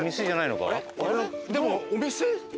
でもお店？